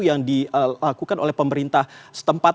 yang dilakukan oleh pemerintah setempat